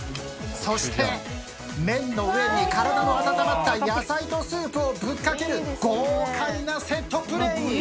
そして麺の上に体の温まった野菜とスープをぶっかける豪快なセットプレー。